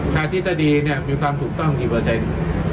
ทฤษฎีเนี่ยมีความถูกต้องกี่เปอร์เซ็นต์